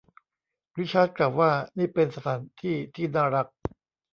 ริชาร์ดกล่าวว่านี่เป็นสถานที่ที่น่ารัก